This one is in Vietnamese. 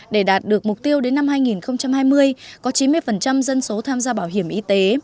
để đạt được mục tiêu đến năm hai nghìn hai mươi có chín mươi dân số tham gia bảo hiểm y tế